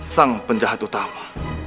sang penjahat utama